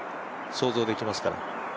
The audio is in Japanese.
想像できますから。